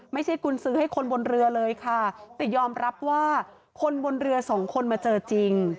กุญซื้อให้คนบนเรือเลยค่ะแต่ยอมรับว่าคนบนเรือสองคนมาเจอจริง